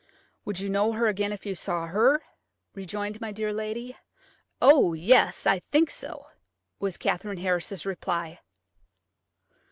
"Would you know her again if you saw her?" rejoined my dear lady. "Oh, yes; I think so," was Katherine Harris's reply.